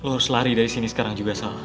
lo harus lari dari sini sekarang juga salah